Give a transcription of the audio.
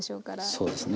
そうですね。